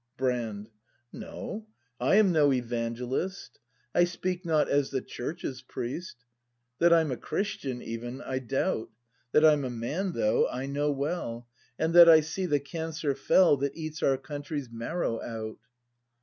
Brand. No, I am no "Evangelist," I speak not as the Church's priest; That I'm a Christian, even, I doubt; That I'm a man, though, I know well, And that I see the cancer fell That eats our country's marrow out.